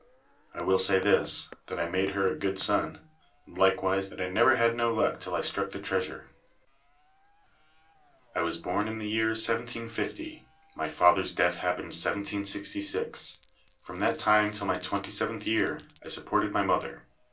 I will say this, that I made her a good son; and likewise, that I never had no luck till I struck the Treasure. I was born in the year 1750. My father's death happened 1766. From that time till my twenty seventh year, I supported my mother.